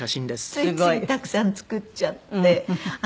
ついついたくさん作っちゃって。